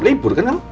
lebur kan kamu